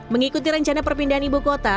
mengikuti rencana perpindahan ibu kota